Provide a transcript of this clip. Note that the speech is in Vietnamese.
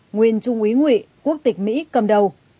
nguyên trung ý nguyễn quốc tịch mỹ cầm đầu